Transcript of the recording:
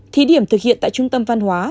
thí điểm thực hiện tại trung tâm văn hóa